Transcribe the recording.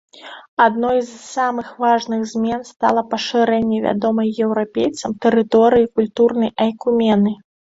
Адной з самых важных змен стала пашырэнне вядомай еўрапейцам тэрыторыі культурнай айкумены.